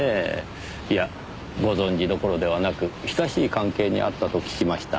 いやご存じどころではなく親しい関係にあったと聞きました。